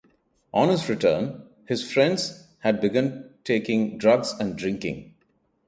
On his return, his friends had begun taking drugs and drinking.